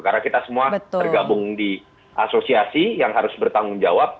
karena kita semua tergabung di asosiasi yang harus bertanggung jawab